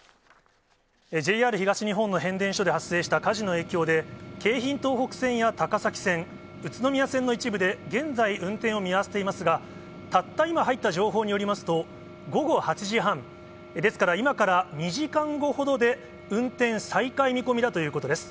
ＪＲ東日本の変電所で発生した火事の影響で、京浜東北線や高崎線、宇都宮線の一部で現在、運転を見合わせていますが、たった今、入った情報によりますと、午後８時半、ですから、今から２時間後ほどで、運転再開見込みだということです。